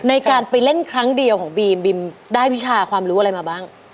ในการไปเล่นครั้งเดียวของบีมบีมได้วิชาความรู้อะไรมาบ้าง